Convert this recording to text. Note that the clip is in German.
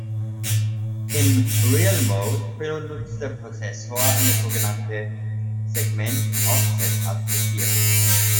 Im Real Mode benutzt der Prozessor eine sogenannte "Segment":"Offset"-Adressierung.